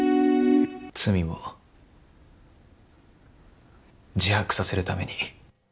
罪を自白させるために。